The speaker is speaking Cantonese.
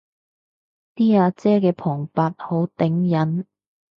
啲阿姐嘅旁白好頂癮